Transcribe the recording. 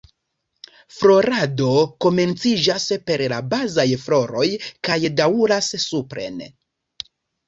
Florado komenciĝas per la bazaj floroj kaj daŭras supren.